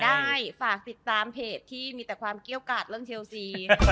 ได้ฝากติดตามเพจที่มีแต่ความเกี้ยวกาดเรื่องเชลซี